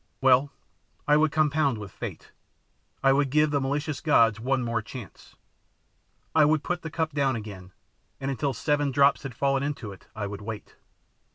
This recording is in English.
Well, I would compound with Fate. I would give the malicious gods one more chance. I would put the cup down again, and until seven drops had fallen into it I would wait.